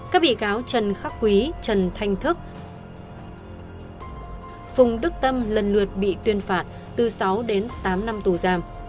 các bị cáo trần khắc quý trần thanh thức phùng đức tâm lần lượt bị tuyên phạt từ sáu đến tám năm tù giam